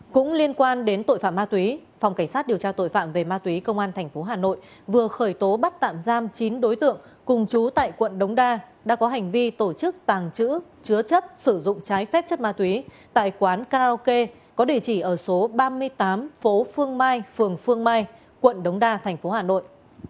cũng liên quan đến tội phạm ma túy phòng cảnh sát điều tra tội phạm về ma túy công an tp hà nội vừa khởi tố bắt tạm giam chín đối tượng cùng chú tại quận đống đa đã có hành vi tổ chức tàng trữ chứa chất sử dụng trái phép chất ma túy tại quán karaoke có địa chỉ ở số ba mươi tám phố phương mai phường phương mai quận đống đa tp hà nội